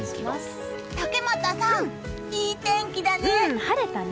竹俣さん、いい天気だね！